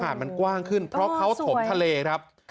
มันกว้างขึ้นเพราะเขาถมทะเลครับ